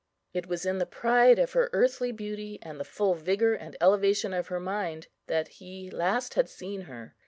It was in the pride of her earthly beauty and the full vigour and elevation of her mind, that he last had seen her.